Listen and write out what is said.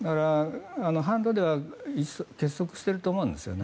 反ロでは結束していると思うんです。